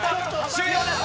終了です。